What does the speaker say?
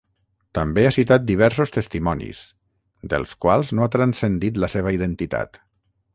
També ha citat diversos testimonis, dels quals no ha transcendit la seva identitat.